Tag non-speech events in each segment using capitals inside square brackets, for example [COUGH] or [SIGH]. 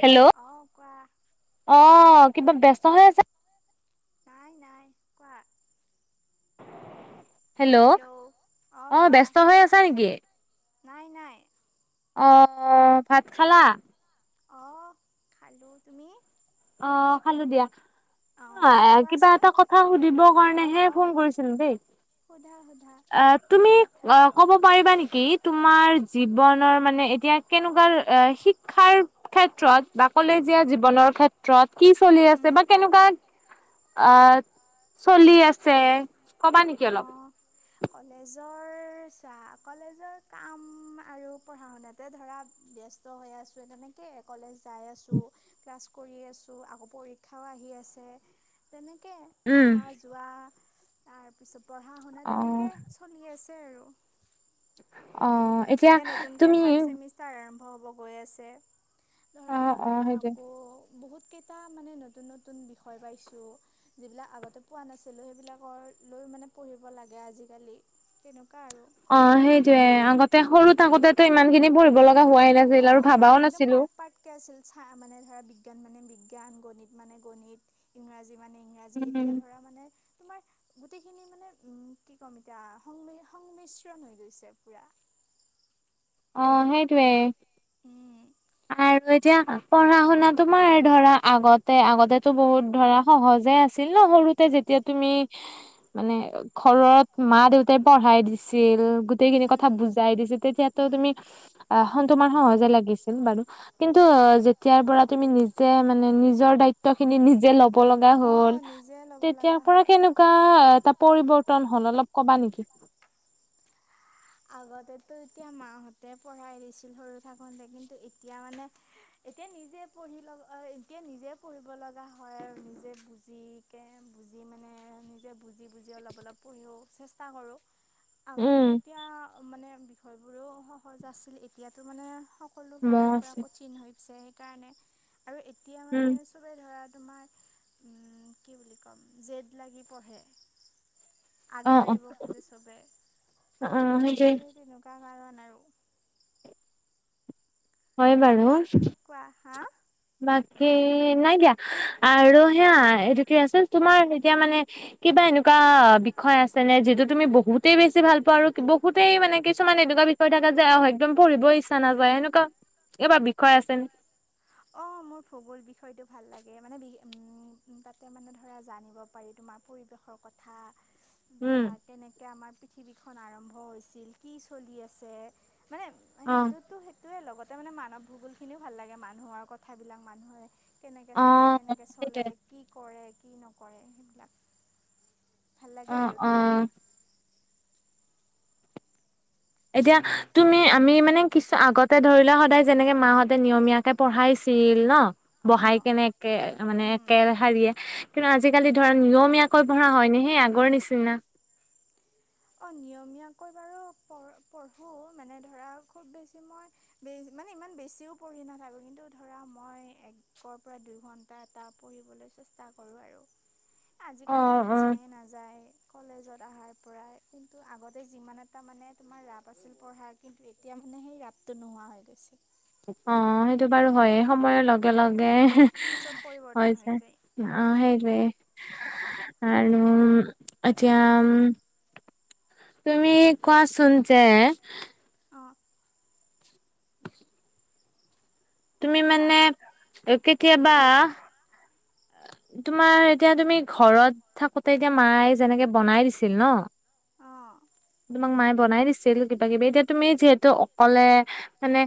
Hello অ কিবা ব্যস্ত হৈ আছা নাই নাই কোৱা হেল্ল' অ ব্যস্ত হৈ আছা নেকি? অ ভাত খালা? অ খালো তুমি অ খালো দিয়া কিবা এটা কথা সুধিবৰ কাৰণেহে ফোন কৰিছিলো দেই। অ তুমি অ ক'ব পাৰিবা নে কি তোমাৰ জীৱনৰ মানে এতিয়া কেনেকুৱা এ শিক্ষাৰ ক্ষেত্ৰত বা কলেজীয়া জীৱনৰ ক্ষেত্ৰত কি চলি আছে বা কেনেকোৱা আহ চলি আছে ক'বা নেকি অলপ কলেজৰ চাহ কলেজৰ কাম আৰু পঢ়া শুনাতে ধৰা ব্যস্ত হৈ আছো তেনেকে কলেজ যাই আছো ক্লাছ কৰি আছো আকৌ পৰীক্ষাও আ আহি আছে তেনেকৈ আহা যোৱা তাৰ পিছত পঢ়া শুনা তেনেকে চলি আছে। অহ এতিয়া তুমি হ'ব গৈ আছে অ অ সেইটোৱে বহুতকেইটা মানে নতুন নতুন বিষয় পাইছোঁ যিবিলাক আগতে পোৱা নাছিলোঁ সেইবিলাকৰ লৈ মানে পঢ়িব লাগে আজিকালি তেনেকুৱা আৰু। অ সেইটোয়ে আগতে সৰু থাকোঁতেতো ইমান খিনি পঢ়িব লগা অ নাই একদম পাৰ্ট পাৰ্ট কে আছিল চা মানে ধৰা বিজ্ঞান মানে বিজ্ঞান গণিত মানে গণিত ইংৰাজী মানে ইংৰাজী এতিয়া ধৰা মানে তোমাৰ গোটেইখিনি মানে উম কি ক'ম এতিয়া সংমিশ্ৰণ হৈ গৈছে পুৰা অ সেইটোৱে অ আৰু এতিয়া পঢ়া শুনা তোমাৰ ধৰা আগতে আগতেতো বহুত ধৰা সহজে আছিল ন সৰুতে যেতিয়া তুমি মানে ঘৰত মা-দেউতাই পঢ়াই দিছিল গোটেইখিনি কথা বুজাই দিছিল তেতিয়াতো তুমি অ সন্তুমাৰ সহজে লাগিছে বাৰু কিন্তু যেতিয়া পৰা তুমি নিজে মানে নিজৰ দায়িত্ব খিনি নিজে লব লগা হল তেতিয়া পৰা কেনেকোৱা এটা পৰিৱৰ্তন হল অলপ কবা নেকি আগতেতো এতিয়া মাহঁতে পঢ়াই দিছিল সৰু থাকোতে কিন্তু এতিয়া মানে এতিয়া নিজে পঢ়ি লব এতিয়া নিজে পঢ়িব লগা হয় আৰু নিজে বুজিক [INAUDIBLE] বুজি বুজি অলপ অলপ পঢ়িও চেষ্টা কৰোঁ আগতে মানে বিষয়বোৰো সহজ আছিল এতিয়াতো মানে সকলো ফালৰ পৰা কঠিন হৈ আছে সেইকাৰণে আৰু এতিয়া মানে চবে ধৰা উম কি বুলি কম জেদ লাগি পঢ়ে। আগবাঢ়িব খোজে চবে সেই তেনেকুৱা কাৰণে হয় বাৰু কি নাই দিয়া আৰু সেয়া এইটো কি আছিল তোমাৰ এতিয়া মানে কিবা এনেকুৱা এ বিষয় আছে নে যিটো তুমি বহুতেই বেছি ভাল পোৱা আৰু বহুতেই মানে কিছুমান এনেকুৱা বিষয় থাকা আহ একদম পঢ়িবই ইচ্ছা নাযায় সেনেকুৱা এইবাৰ বিষয় আছে নেকি মোৰ ভূগোল বিষয়টো ভাল লাগে মানে বি উম তাতে মানে‌ ধৰা জানিব পাৰি তোমাৰ পৰিৱেশৰ কথা ধৰা কেনেকে আমাৰ পৃথিৱীখন আৰম্ভ হৈছিল কি চলি আছে মানে সেইটোতো সেইটোয়ে লগতে মানে মানৱ ভূগোল খিনিও ভাল লাগে মানুহ মানুহৰ কথাবিলাক মানুহে কেনেকৈ থাকে কেনেকৈ চলে কি কৰে কি নকৰে সেইবিলাক ভাল লাগে আৰু ধৰা। এতিয়া তুমি আমি মানে কিছু আগতে ধৰিলোৱা সদায় যেনেকে মাহঁতে নিয়মীয়াকে পঢ়াইছ ল ন বহাই কেনে কেৰাহীয়ে কিন্তু আজিকালি ধৰা নিয়মীয়া পঢ়া হয় নে সেই আগৰ নিচিনা অঁ নিয়মীয়াকৈ বাৰু প পঢ়োঁ মানে ধৰা খুব বেছি মই বে মানে ইমান বেছিও পঢ়ি নাথাকোঁ কিন্তু ধৰা মই একৰ পৰা দুইঘণ্টা এটা পঢ়িবলৈ চেষ্টা কৰোঁ আৰু [INAUDIBLE] আজিকালি ইচ্ছাই নাযায় কলেজত অহাৰ পৰাই। কিন্তু আগতে যিমান এটা মানে তোমাৰ ৰাপ আছিল পঢ়াৰ কিন্তু এতিয়া মানে সেই ৰাপটো নোহোৱা হৈ গৈছে। অ সেইটো বাৰু হয়ে সময়ৰ লগে লগে হৈছে অ সেইটোৱে আৰু উম এতিয়া উম তুমি কোৱা চোন যে [UNINTELLIGIBLE] তুমি মানে কেতিয়াবা [UNINTELLIGIBLE] তোমাৰ এতিয়া তুমি ঘৰত থাকোতে এতিয়া মায়ে যেনেকে বনাই দিছিল ন [UNINTELLIGIBLE] তোমাক মায়ে বনাই দিছিল কিবা কিবি এতিয়া তুমি যিহেতু অকলে মানে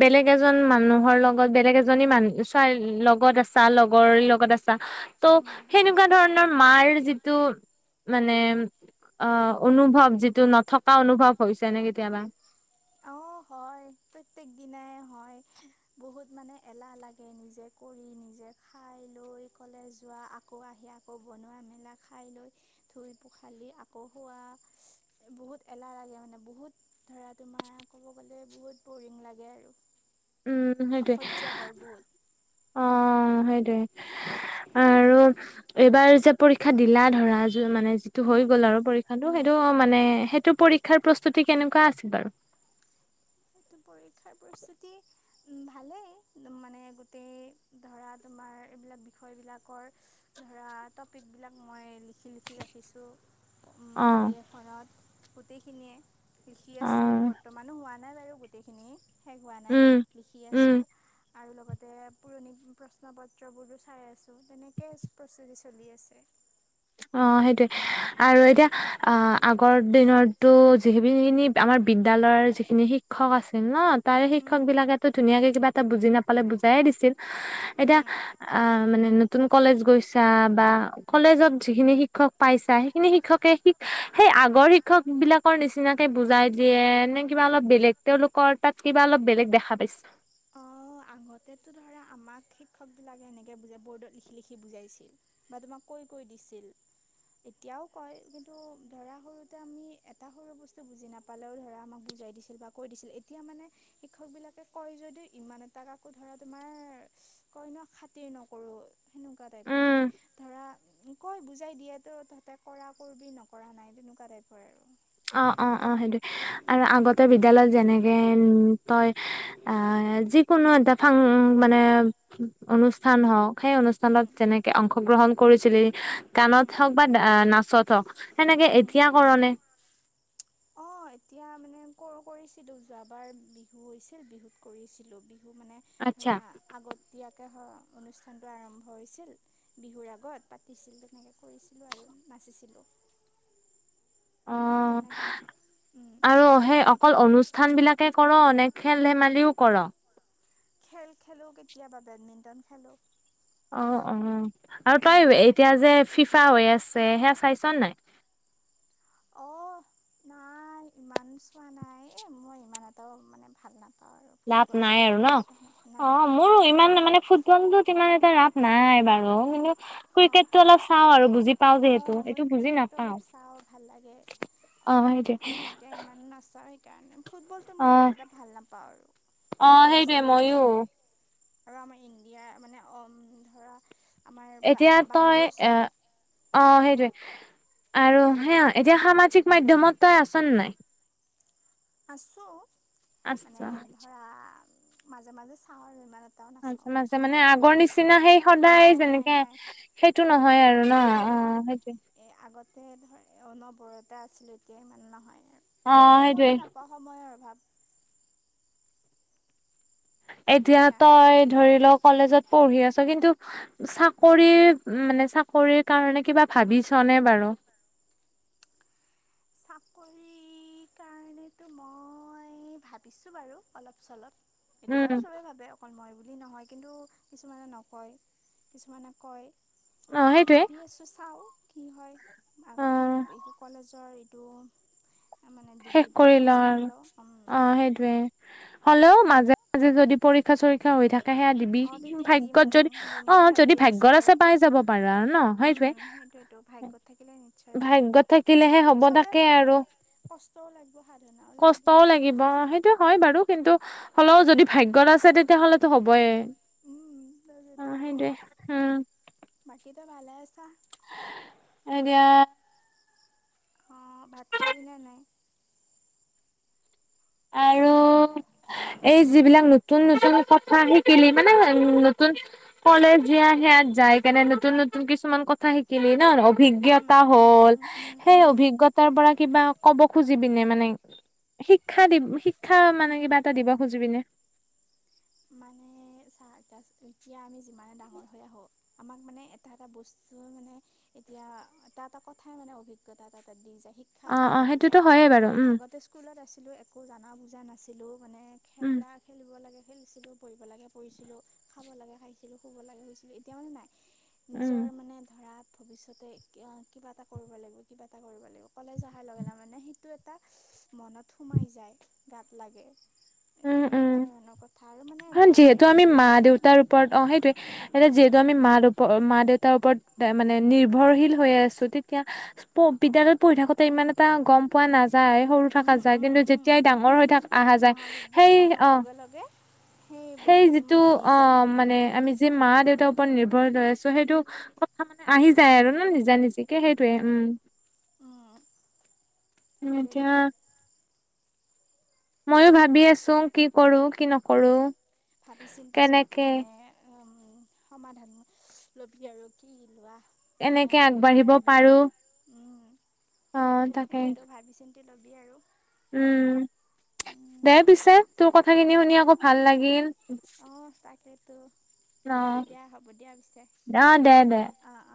বেলেগ এজন মানুহৰ লগত বেলেগ এজনী মানু ছোৱালী লগত আছা লগৰী লগত লগত আছা ত' সেনেকুৱা ধৰণৰ মাৰ যিটো মানে অহ অনুভৱ যিটো নথকা অনুভৱ হৈছে নে কেতিয়াবা? প্ৰত্যেক দিনাই হয় বহুত মানে এলাহ লাগে নিজে কৰিম নিজে খাই লৈ কলে যোৱা আকৌ আহি আকৌ বনোৱা মেলা খাই লৈ ধুই পোখালি আকৌ খোৱা বহুত এলাহা লাগে মানে বহুত ধৰা তোমাক ক'ব গ'লে বহুত বৰিং লাগে আৰু। উম সেইটোৱে অ সেইটোৱে আৰু এইবাৰ যে পৰীক্ষা দিলা ধৰা মানে যিটো হৈ গ'ল আৰু পৰীক্ষাটো সেইটো মানে সেইটোপৰীক্ষাৰ প্ৰস্তুতি কেনেকুৱা আছিল বাৰু? সেইটো পৰীক্ষাৰ প্ৰস্তুতি উ ভালেই মানে গোটেই ধৰা তোমাৰ এইবিলাক বিষয় বিলাকৰ ধৰা তপিক বিলাক মই লিখি লিখি ৰাখিছোঁ বহী এখনত গোটেইখিনিয়ে লিখি আছোঁ বৰ্তমানো হোৱা নাই বাৰু গোটেইখিনি শেষ হোৱা নাই লিখি আছোঁ। আৰু লগতে পুৰণি প্ৰশ্ন পত্ৰবোৰো চাই আছোঁ যেনেকে প্ৰস্তুতি চলি আছে অ সেইটোয়ে আৰু এতিয়া অ আগৰ দিনতটো যিখিনি আমাৰ বিদ্যালয়ৰ যিখিনি শিক্ষক আছিল ন তাৰ শিক্ষক বিলাকেতো ধুনীয়াকে কিবা এটা বুজি নাপালে বুজাই বুজায় দিছিল। এতিয়া আ মানে কলেজত গৈছা বা কলেজত যিখিনি শিক্ষক পাইছা সেইখিনি শিক্ষকে শিক সেই আগৰ শিক্ষক বিলাকৰ নিচিনাকে বুজাই দিয়ে নে কিবা অলপ বেলেগ তেওঁলোকৰ তাত কিবা অলপ বেলেগ দেখা পাইছে আগতেতো ধৰা আমাক শিক্ষক বিলাকে এনেকে বুজ বৰ্ডত লিখি লিখি বুজাইছিল বা তোমাক কৈ কৈ দিছিল এতিয়াও কয় কিন্তু ধৰা সৰুতে আমি এটা সৰু বস্তু বুজি নাপালেও ধৰা আমাক বু জাই দিছিল বা কৈ দিছিল এতিয়া মানে শিক্ষক বিলাকে কয় যদিও ইমান এটা তাক আকৌ ধৰা তোমাৰ কইনা খাতিৰ নকৰোঁ সেনেকুৱা টাইপৰ মানে ধৰা কয়, বুজাই দিয়া তো তহঁতে কৰা কৰিবি নকৰা নাই তেনেকুৱা টাইপৰ আৰু অ অ অ সেইটোৱে আৰু আগতে বিদ্যালয়ত যেনেকে উম তই আহ যিকোনো এটা ফাং মানে অনুষ্ঠান হওঁক সেই অনুষ্ঠানত যেনেকে অংশগ্ৰহণ কৰিছিলি গানত হওক বা নাচত হওক সেনেকে এতিয়া কৰ নে? অ এতিয়া মানে কৰ কৰিছিলো যোৱাবাৰ বিহু হৈছিল বিহুত কৰিছিলো বিহু মানে ধৰা আগতীয়া [INAUDIBLE] অনুষ্ঠানটো আৰম্ভ হৈছিল বিহুৰ আগত পাতিছিল তেনেকৈ কৰিছিলোঁ আৰু নাচিছিলোঁ [INAUDIBLE] অ আৰু সেই অকল অনু স্থান বিলাকে কৰ নে খেল ধেমালিও কৰ খেল খেলোঁ কেতিয়াবা বেডমিণ্টন খেলোঁ অ অ আৰু তই এতিয়া যে ফিফা হৈ আছে সেয়া চাইছ নাই? [UNINTELLIGIBLE] অ নাই ইমান চোৱা নাই এ মই ইমান এটাও মানে ভাল নাপ লাভ নাই আৰু ন অ মোৰো ইমান মানে ফুটবলটোত ইমান এটা ৰাপ নাই বাৰু কিন্তু ক্ৰিকেটটো অলপ চাওঁ আৰু বুজি পাও, যি হেতু এইটো বুজি নাপাওঁ। অ সেইটোৱে সেইকাৰণে ফুটবলটো মই ইমান এটা ভাল নাপাওঁ আৰু ইণ্টাৰনেচনেল হৈ যায় আৰু আমাৰ ইণ্ডিয়া মানে অ ধৰা আমাৰ এতিয়া তই এ অ সেইটোৱে আৰু সে এতিয়া সামাজিক মাধ্যমত তই আছনে নাই আছো মানে ধৰা মাজে মাজে চাও আৰু ইমান মজে মাজে মানে আগৰ নিচিনা সেই সদায় যেনেকে সেইটো নহয় আৰু ন অ সেইটো এ আগতে ধৰা অনবৰতা আছিলো এতিয়া ইমান নহয় অ সেইটোৱেই অভাৱ এতিয়া তই ধৰি লও কলেজত পঢ়ি আছ কিন্তু চাকৰি মানে চাকৰিৰ কাৰণে কিবা ভাবিছনে বাৰু [INAUDIBLE] চাকৰিৰ কাৰণেতো মই ভাবিছো বাৰু অলপ চলপ এইটো বাৰু চবেই ভাবে অকল মই বুলি নহয় কিন্তু কিছুমানে নকয় কিছুমানে কয়। ভাবি আছো চাও কি হয় আগতে এইটো কলেজৰ [UNINTELLIGIBLE] শেষ কৰিল আৰু অ সেইটোৱে হলেও মাজে মাজে যদি পৰীক্ষা চৰিক্ষা হৈ থাকে। সেয়া দিবি ভাগ্যত যদি অ যদি ভাগ্যত আছে পাই যাব পাৰা আৰু ন সেইটোৱে এইটো ভাগ্যত থাকিলে নিশ্চয় পাম চবে পাব কষ্টও লাগে কষ্টও লাগিব সেইটোয়ে হয় বাৰু। কিন্তু হ'লেও যদি ভাগ্যত আছে তেতিয়াহ'লেতো হ'বইে অ সেইতোৱে উম ত ভালে আছা এতিয়া অঁ ভাত খালি নে নাই আৰু এই যিবিলাক নতুন নতুন কথা শিকিলি মানে নতুন কলেজিয়া সেয়াত যাই এনে নতুন নতুন কিছুমান কথা শিকিলি নহ অভিজ্ঞতা হ'ল সেই অভিজ্ঞতাৰ পৰা কিবা ক'ব খুজিবি নে মানে শিক্ষা দি শিক্ষা মানে কিবা এটা দিব খুজিবিনে,? মানে চাহ এ এতিয়া আমি যিমানে ডাঙৰ হৈ আহোঁ আমাক মানে এটা এটা বস্তু মানে এতিয়া এটা এটা কথাই মানে অভিজ্ঞতা এটা এটা দি যায়। শিক্ষা এটা এটা দি যায়। এতিয়া আগতে স্কুলত আছিলোঁ একো জনা বুজা নাছিলোঁ। মানে খেলা খেলিব লাগে খেল ছিলো পঢ়িব লাগে পঢ়িছিলোঁ খাব লাগে খাইছিলোঁ শুব লাগে শুইছিলো এতিয়া মানে নাই নিজৰ মানে ধৰা ভৱিষ্যতে কিবা এটা কৰিব লাগিব কিবা এটা কৰিব লাগিব কলেজ আহাৰ লগে মানে সেইটো এটা মনত সুমাই যায় গাত লাগে তেনেকুৱা ধৰণৰ কথা আৰু। অ যিহেতু আমি মা দেউতাৰ ওপৰত অ সেইটোৱে এতিয়া যিহেতু আমি মাৰ মা দেউতাৰ ওপৰত মানে নিৰ্ভৰশীল হৈ আছো। তেতিয়া বিদ্যালয়ত পঢ়ি থাকোতে ইমান এটা গম পোৱা নাযায়। যায় সৰু থকা যায় কিন্তু যেতিয়াই ডাঙৰ হৈ অহা যায় সেই অ সেই যিটো অ মানে আমি যি মা মা -দেউতাৰ ওপৰত নিৰ্ভৰ লৈ আছো সেইটো কথা মানে আহি যায় আৰু ন নিজা নিজিকে সেইটোয়ে উম উম এতিয়া ময়ো ভাবি আছো কি কৰো কি নকৰো ভাবি চিন্তি চব মানে উ উম সমাধান লবি আৰু কি লোৱা মানে সমাধান বিচাৰিবি। উম সেইটোয়তো ভাবিছিল লবি আৰু অ তাকেইেতো দিয়া দিয়া হ'ব দিয়া পিছে অ অ।